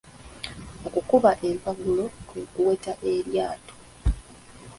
Okukuba empagulo kwe kuweta eryato.